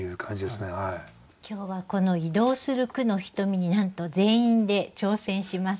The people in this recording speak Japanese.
今日はこの「移動する『句のひとみ』」になんと全員で挑戦します。